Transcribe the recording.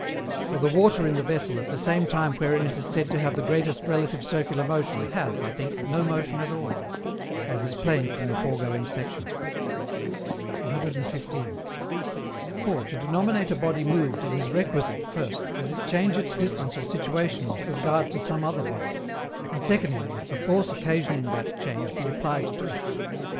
For the water in the vessel at that time wherein it is said to have the greatest relative circular motion, has, I think, no motion at all; as is plain from the foregoing section. 115. For, to denominate a body moved it is requisite, first, that it change its distance or situation with regard to some other body; and secondly, that the force occasioning that change be applied to it.